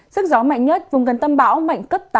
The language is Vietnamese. sức gió mạnh nhất vùng gần tâm bão mạnh cấp tám giật cấp một mươi